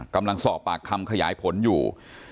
กำลังสอบปากคำขยายผลอยู่